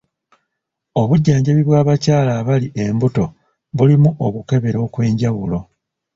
Obujjanjabi bw'abakyala abali embuto bulimu okukebera okw'enjawulo.